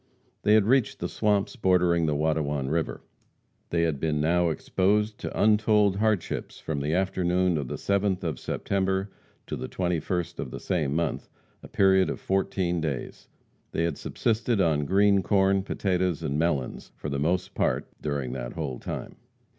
They had reached the swamps bordering the Watonwan river. They had been now exposed to untold hardships from the afternoon of the 7th of September to the 21st of the same month, a period of fourteen days. They had subsisted on green corn, potatoes and melons for the most part during that whole time.